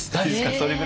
それぐらい。